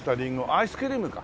アイスクリームか。